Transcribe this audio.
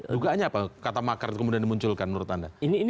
dugaannya apa kata makar itu kemudian dimunculkan menurut anda